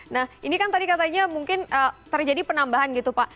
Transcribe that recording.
nah ini kan tadi katanya mungkin terjadi penambahan gitu pak